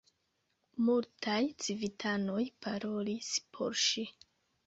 Multaj civitanoj parolis por ŝi.